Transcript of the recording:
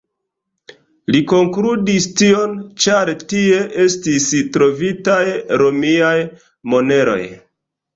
Li konkludis tion, ĉar tie estis trovitaj romiaj moneroj.